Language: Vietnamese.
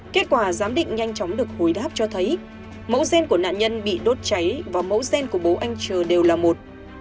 kết quả giám định nhanh chóng được khối đáp cho thấy mẫu gen của nạn nhân bị đốt cháy và mẫu gen của bố anh trờ đều là một